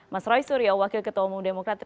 mas roy suryo wakil ketua umum demokrat